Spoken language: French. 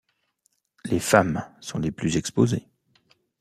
Les femmes sont les plus exposées.